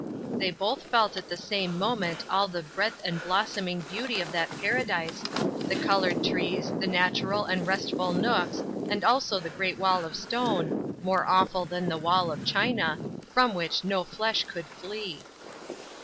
They both felt at the same moment all the breadth and blossoming beauty of that paradise, the coloured trees, the natural and restful nooks and also the great wall of stone more awful than the wall of China from which no flesh could flee.